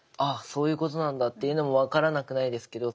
そういうことなんだっていうのも分からなくないですけど。